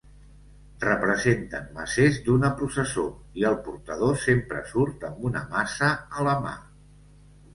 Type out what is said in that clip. Representen macers d’una processó, i el portador sempre surt amb una maça a la mà.